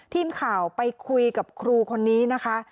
ทีมข่าวไปคุยกับครูคนนี้นะคะ